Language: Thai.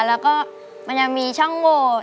แล้วก็มันยังมีช่องโหวต